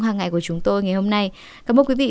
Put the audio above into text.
hàng ngày của chúng tôi ngày hôm nay cảm ơn quý vị